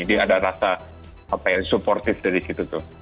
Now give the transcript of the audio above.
dia ada rasa apa ya supportive dari situ tuh